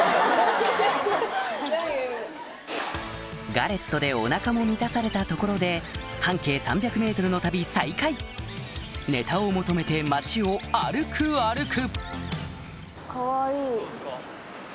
ガレットでお腹も満たされたところで半径３００ｍの旅再開ネタを求めて町を歩く歩く